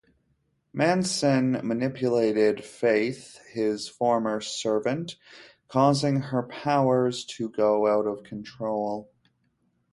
Manson manipulated Faith, his former servant, causing her powers to go out of control.